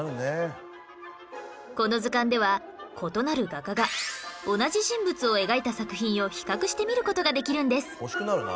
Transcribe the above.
この図鑑では異なる画家が同じ人物を描いた作品を比較して見る事ができるんです